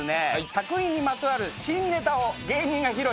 作品にまつわる新ネタを芸人が披露します。